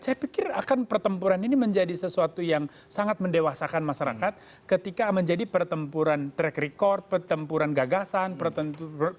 saya pikir akan pertempuran ini menjadi sesuatu yang sangat mendewasakan masyarakat ketika menjadi pertempuran track record pertempuran gagasan pertempuran